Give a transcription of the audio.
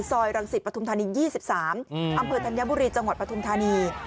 รังสิตปฐุมธานี๒๓อำเภอธัญบุรีจังหวัดปฐุมธานี